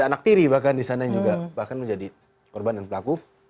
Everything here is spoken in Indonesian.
anak tiri bahkan di sana yang juga bahkan menjadi korban dan pelaku